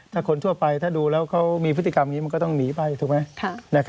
ถ้าคนทั่วไปถ้าดูแล้วเขามีพฤติกรรมอย่างนี้มันก็ต้องหนีไปถูกไหม